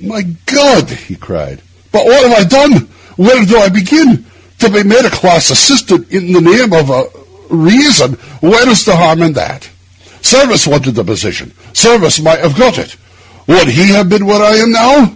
'My God!' he cried, 'but what have I done? and when did I begin? To be made a class assistant—in the name of reason, where's the harm in that? Service wanted the position; Service might have got it. Would he have been where I am now?